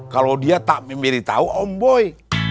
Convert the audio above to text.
kalau dia tak memilih tau om boy